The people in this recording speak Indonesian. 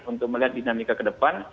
untuk melihat dinamika kedepan